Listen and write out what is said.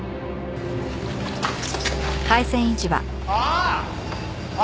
ああ！